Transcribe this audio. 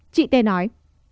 chị t nói